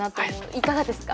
いかがですか？